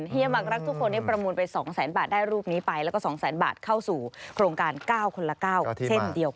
เฮียมักรักทุกคนได้ประมูลไป๒แสนบาทได้รูปนี้ไปแล้วก็๒แสนบาทเข้าสู่โครงการ๙คนละ๙เช่นเดียวกัน